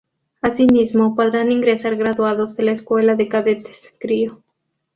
Asimismo, podrán ingresar graduados de la Escuela de Cadetes “Crio.